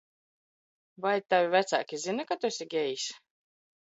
Vai tavi vec?ki zina, ka tu esi gejs?